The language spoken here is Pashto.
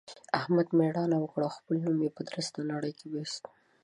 احمد مېړانه وکړه او خپل نوم يې په درسته نړۍ کې واېست.